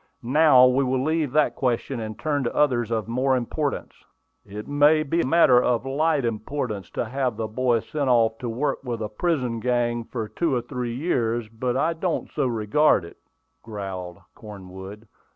"Now we will leave that question, and turn to others of more importance." "It may be a matter of light importance to have the boy sent off to work with a prison gang for two or three years, but I don't so regard it," growled Cornwood.